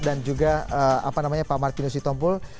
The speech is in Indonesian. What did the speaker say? dan juga apa namanya pak martinus hitompul